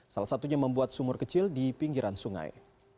salah satunya membuat sumur kecil di pinggiran sungai